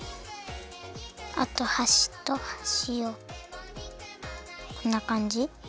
あとはしとはしをこんなかんじかな？